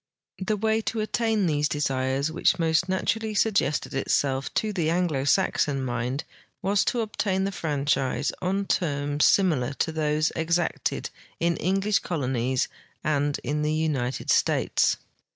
The waj^ to attain these desires which most naturall}" suggested itself to the Anglo Saxon mind was to obtain the fran chise on terms similar to those exacted in English colonies and in the United States.